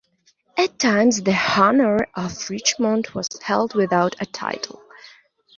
At times the honour of Richmond was held without a title.